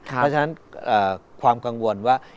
เพราะฉะนั้นความกังวลว่า